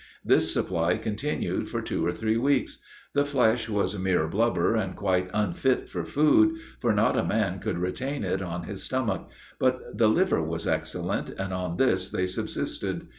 This supply continued for two or three weeks. The flesh was mere blubber, and quite unfit for food, for not a man could retain it on his stomach; but the liver was excellent, and on this they subsisted.